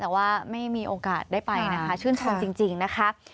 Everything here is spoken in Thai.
แต่ว่าไม่มีโอกาสได้ไปนะคะชื่นชมจริงนะคะ